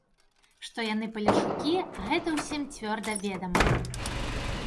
Што яны палешукі, гэта ўсім цвёрда ведама.